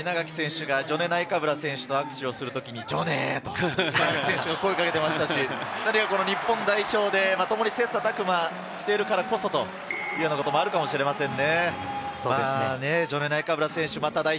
先ほど稲垣選手がジョネ・ナイカブラ選手と握手をする時に「ジョネ！」と声をかけていましたし、日本代表で、ともに切磋琢磨しているからこそということもあるかもしれませんね。